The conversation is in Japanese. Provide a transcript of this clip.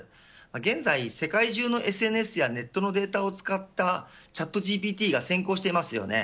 現在、世界中のＳＮＳやネットのデータを使ったチャットＧＰＴが先行していますよね。